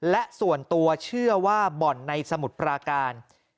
และส่วนตัวเชื่อว่าบ่อนในสมุทรปราการ